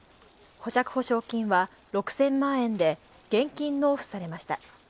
保釈保証金は６０００万円で現金納付されました。